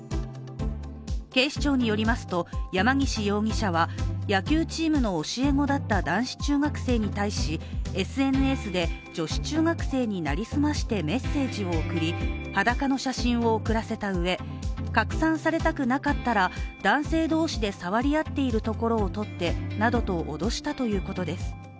警視庁によりますと、山岸容疑者は野球チームの教え子だった男子中学生に対しＳＮＳで女子中学生に成り済ましてメッセージを送り、裸の写真を送らせたうえ、拡散されたくなかったら男性同士で触り合っているところを撮ってなどと脅したということです。